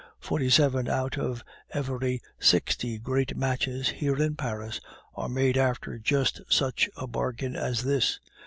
Forty seven out of every sixty great matches here in Paris are made after just such a bargain as this.